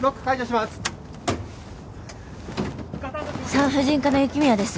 産婦人科の雪宮です。